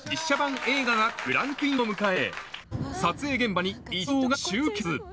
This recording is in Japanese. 映画がクランクインを迎え撮影現場に一同が集結